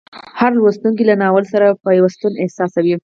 هر لوستونکی له ناول سره پیوستون احساسوي.